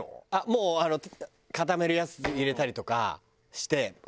もうあの固めるやつ入れたりとかして。